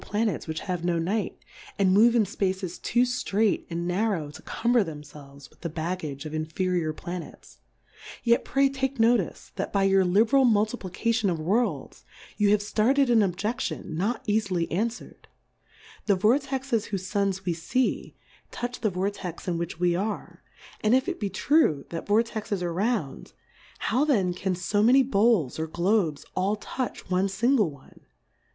147 Planets which have no Night, and move in Spaces too ftrait and narrow to cum ber themfelves with the Baggage of in feriour Planets : Yet pray take Notice^ that by your Hberal Multiplication of Worlds, you have ftarted an Ob|e£lion, not eafily anfwer'd : The Vortexes whofe Suns we fee, touch the Vortex in which we are ; and if it be true, that Vortexes are round, how then can fo many Bowls, or Globes all touch one fmgle one